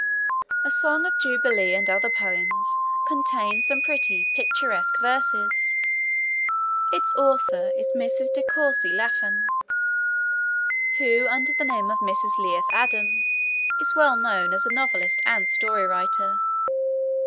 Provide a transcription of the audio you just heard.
A Song of Jubilee and Other Poems contains some pretty, picturesque verses. Its author is Mrs. De Courcy Laffan, who, under the name of Mrs. Leith Adams, is well known as a novelist and story writer.